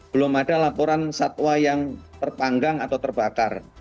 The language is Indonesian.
belum ada laporan satwa yang terpanggang atau terbakar